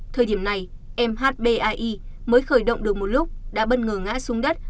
thời điểm này mhbie mới khởi động được một lúc đã bất ngờ ngã xuống đất